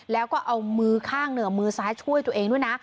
แล้วก็เอามือข้างเหนือมือซ้ายช่วยตัวเองด้วยนะ